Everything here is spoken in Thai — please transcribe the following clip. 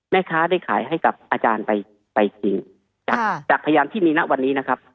แม่ค้าได้ขายให้กับอาจารย์ไปไปจริงจากจากพยานที่มีณวันนี้นะครับ